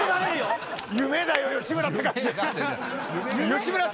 夢だよ、吉村崇。